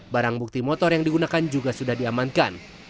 barang bukti motor yang digunakan juga sudah diamankan